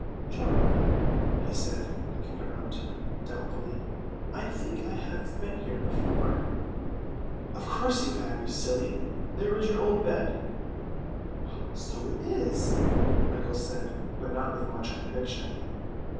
"John," he said, looking around him doubtfully, "I think I have been here before." "Of course you have, you silly. There is your old bed." "So it is," Michael said, but not with much conviction.